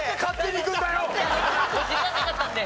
時間なかったんで。